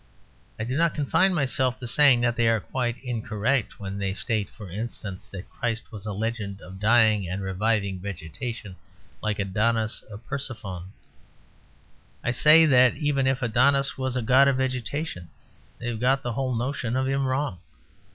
I do not confine myself to saying that they are quite incorrect when they state (for instance) that Christ was a legend of dying and reviving vegetation, like Adonis or Persephone. I say that even if Adonis was a god of vegetation, they have got the whole notion of him wrong.